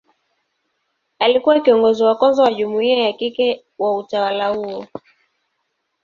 Alikuwa kiongozi wa kwanza wa jumuia ya kike wa utawa huo.